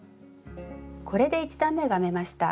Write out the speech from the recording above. これで１段めが編めました。